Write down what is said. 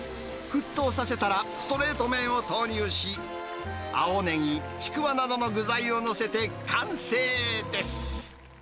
沸騰させたら、ストレート麺を投入し、青ネギ、ちくわなどの具材を載せて完成です。